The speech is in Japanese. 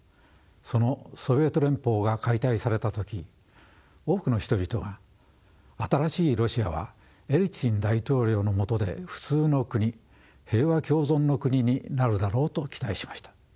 そのソビエト連邦が解体された時多くの人々が新しいロシアはエリツィン大統領のもとで普通の国平和共存の国になるだろうと期待しました。